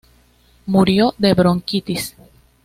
Murió de bronquitis.